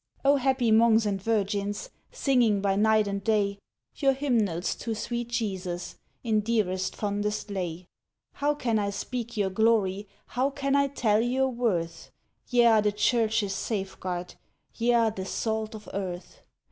O happy Monks and Virgins, Singing by night and day, Your hymnals to Sweet Jesus, In dearest, fondest lay! How can I speak your glory, How can I tell your worth? Ye are the Church's safeguard; Ye are the "Salt of earth."